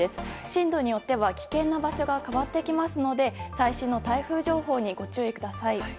進路によっては危険な場所が変わってきますので最新の台風情報にご注意ください。